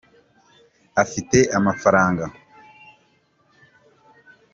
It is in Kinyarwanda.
afite amafaranga